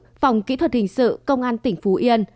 hình sự phòng kỹ thuật hình sự công an tỉnh phú yên